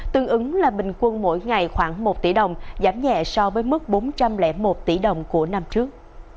tương ứng là bình quân mỗi ngày khoảng một tỷ đồng giảm nhẹ so với mức bốn trăm linh một tỷ đồng của năm trước